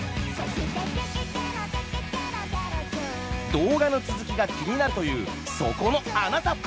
動画の続きが気になるというそこのあなた！